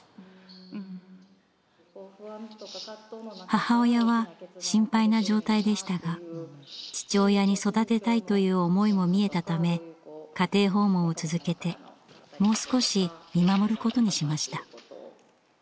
母親は心配な状態でしたが父親に育てたいという思いも見えたため家庭訪問を続けてもう少し見守ることにしました。